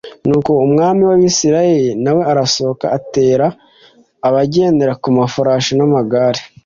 Nuko umwami w’Abisirayeli na we arasohoka atera abagendera ku mafarashi n’amagare